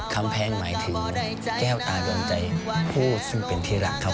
กำแพงหมายถึงแก้วตาดวงใจผู้ซึ่งเป็นที่รักเขา